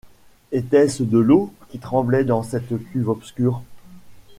Était-ce de l’eau qui tremblait dans cette cuve obscure?